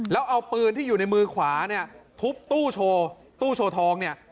แล้วเอาปืนที่อยู่ในมือขวาเนี่ยทุบตู้โชว์ตู้โชว์ทองเนี่ย